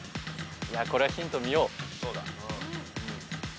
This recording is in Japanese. これはヒント見よう。